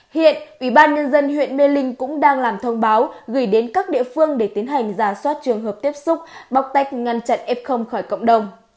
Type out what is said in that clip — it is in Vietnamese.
hiện ủy ban nhân dân huyện mê linh cũng đang làm thông báo gửi đến các địa phương để tiến hành giả soát trường hợp tiếp xúc bóc tách ngăn chặn f khỏi cộng đồng